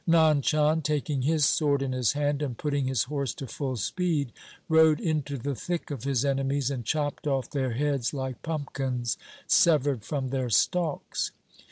Nand Chand, taking his sword in his hand and putting his horse to full speed, rode into the thick of his enemies, and chopped off their heads like pumpkins severed from their stalks.